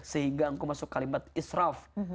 sehingga engkau masuk kalimat israf